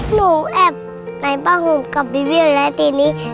หนูแอบไหนบ้างกับวิวิวและทีนี้